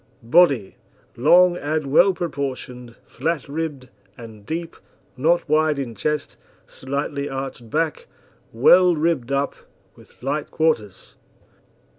BODY Long and well proportioned, flat ribbed, and deep, not wide in chest, slightly arched back, well ribbed up, with light quarters.